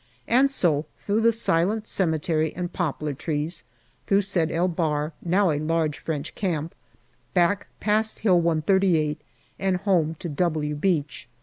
And so through the silent cemetery and poplar trees, through Sed el Bahr, now a large French camp, back past Hill 138 and home to " W r " Beach.